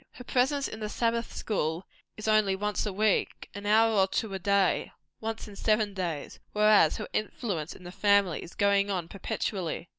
Her presence in the Sabbath school is only once a week an hour or two a day, once in seven days; whereas, her influence in the family is going on perpetually.